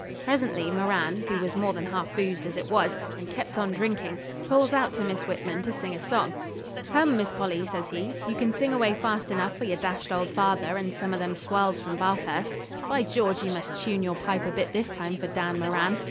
Presently Moran, who was more than half boozed as it was, and kept on drinking, calls out to Miss Whitman to sing a song. 'Come, Miss Polly,' says he, 'you can sing away fast enough for your dashed old father and some o' them swells from Bathurst. By George, you must tune your pipe a bit this time for Dan Moran.'